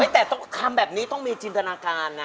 แต่ต้องทำแบบนี้ต้องมีจินตนาการนะ